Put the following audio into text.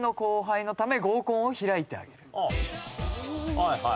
はいはい。